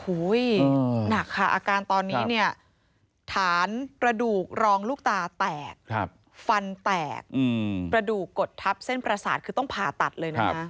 หนักค่ะอาการตอนนี้เนี่ยฐานกระดูกรองลูกตาแตกฟันแตกกระดูกกดทับเส้นประสาทคือต้องผ่าตัดเลยนะคะ